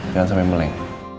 jangan sampai meleng